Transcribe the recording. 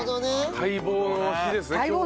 待望の日ですね今日が。